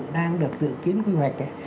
đang được dự kiến quy hoạch